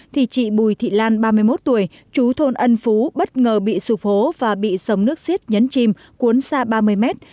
thì chị bùi thị lan ba mươi một tuổi chú thôn ân phú bất ngờ bị sụp hố và bị sống nước xiết nhấn chìm cuốn xa ba mươi mét